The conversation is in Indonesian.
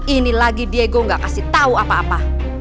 ini lagi diego gak kasih tau apa apa